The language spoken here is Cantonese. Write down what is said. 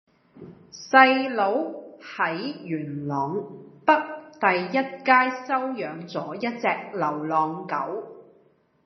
細佬喺元朗河北第一街收養左一隻流浪狗